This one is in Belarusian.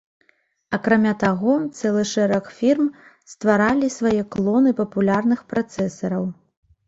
Акрамя таго, целы шэраг фірм стваралі свае клоны папулярных працэсараў.